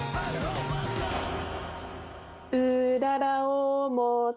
「うーららおもて」